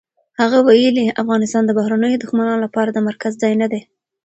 هغه ویلي، افغانستان د بهرنیو دښمنانو لپاره د مرکز ځای نه دی.